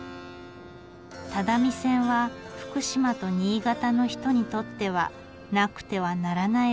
只見線は福島と新潟の人にとってはなくてはならない路線だったんですね。